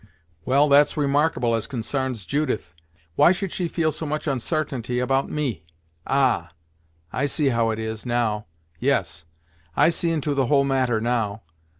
"Well, that's remarkable as consarns Judith! Whey should she feel so much unsartainty about me? Ah I see how it is, now; yes, I see into the whole matter, now.